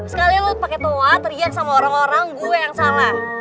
sekalian lo pake tawa teriak sama orang orang gue yang salah